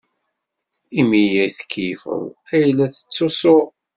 Imi ay tkeyyfed ay la tettusud.